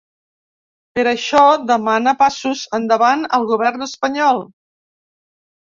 Per això demana passos endavant al govern espanyol.